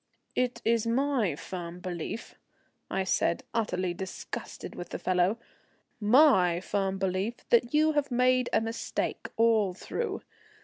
"It is my firm belief," I said, utterly disgusted with the fellow, "my firm belief that you have made a mistake all through.